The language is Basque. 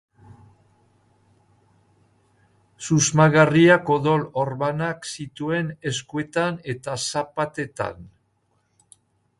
Susmagarriak odol orbanak zituen eskuetan eta zapatetan.